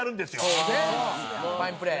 そうねファインプレー。